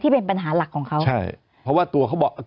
เป็นปัญหาหลักของเขาใช่เพราะว่าตัวเขาบอก